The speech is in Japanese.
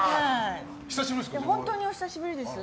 本当にお久しぶりです。